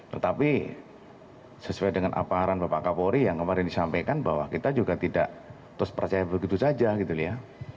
tetapi sesuai dengan aparan bapak kapolri yang kemarin disampaikan bahwa kita juga tidak terus percaya begitu saja gitu ya